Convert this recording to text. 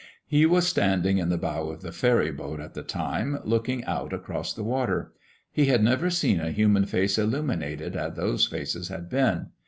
He was standing in the bow of the ferry boat at the time looking out across the water. He had never seen a human face illuminated as those faces had been.